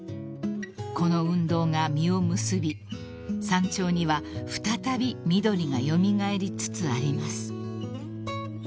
［この運動が実を結び山頂には再び緑が蘇りつつあります］